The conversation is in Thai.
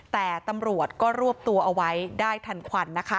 แต่ตำรวจก็รวบตัวเอาไว้ได้ทันควันนะคะ